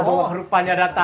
oh rupanya ada tamu toh